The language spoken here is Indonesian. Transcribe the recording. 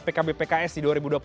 pkb pks di dua ribu dua puluh empat